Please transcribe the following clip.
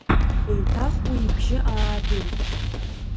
Еиҭах уи ибжьы аагеит.